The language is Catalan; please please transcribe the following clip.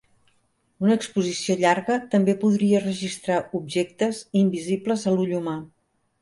Una exposició llarga també podria registrar objectes invisibles a l'ull humà.